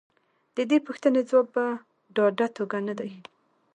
د دې پوښتنې ځواب په ډاډه توګه نه دی.